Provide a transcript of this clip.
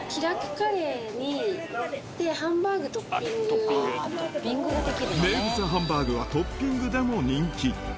カレーに、ハンバーグ名物ハンバーグは、トッピングでも人気。